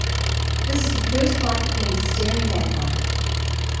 This is the first bike that needs a steering damper.